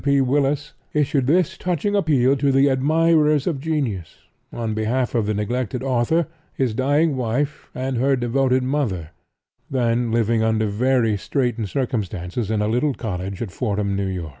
P. Willis, issued this touching appeal to the admirers of genius on behalf of the neglected author, his dying wife and her devoted mother, then living under very straitened circumstances in a little cottage at Fordham, N. Y.